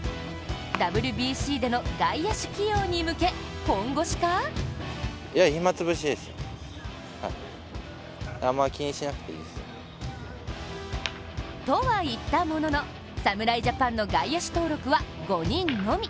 ＷＢＣでの外野手起用に向け、本腰か？とは言ったものの、侍ジャパンの外野手登録は５人のみ。